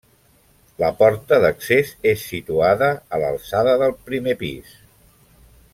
La porta d'accés és situada a l'alçada del primer pis.